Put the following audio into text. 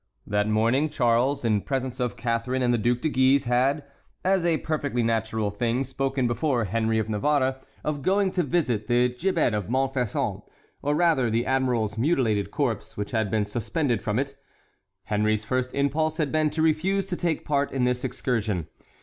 That morning Charles, in presence of Catharine and the Duc de Guise, had, as a perfectly natural thing spoken before Henry of Navarre of going to visit the gibbet of Montfaucon, or, rather, the admiral's mutilated corpse which had been suspended from it. Henry's first impulse had been to refuse to take part in this excursion.